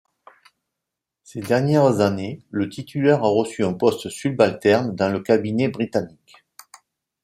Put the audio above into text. Ces dernières années, le titulaire a reçu un poste subalterne dans le cabinet britannique.